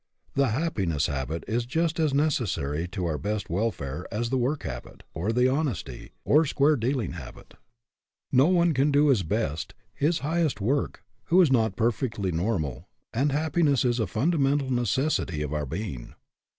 The happi ness habit is just as necessary to our best wel fare as the work habit, or the honesty or square dealing habit. No one can do his best, his highest work, who is not perfectly normal, and happiness it a fundamental necessity of our being.